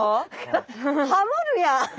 ハモるやん！